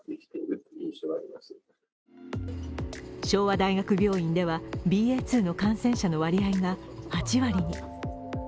昭和大学病院ではＢＡ．２の感染者の割合が８割に。